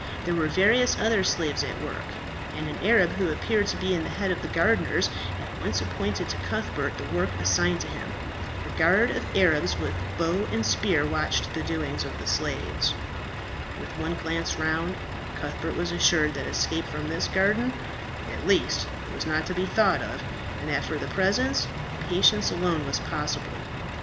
There were various other slaves at work; and an Arab, who appeared to be the head of the gardeners, at once appointed to Cuthbert the work assigned to him. A guard of Arabs with bow and spear watched the doings of the slaves. With one glance round, Cuthbert was assured that escape from this garden, at least, was not to be thought of, and that for the present, patience alone was possible.